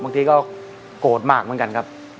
บางทีก็โกรธมากเหมือนกันครับ